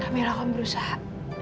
kak mila akan berusaha